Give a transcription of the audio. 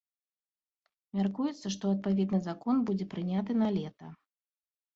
Мяркуецца, што адпаведны закон будзе прыняты налета.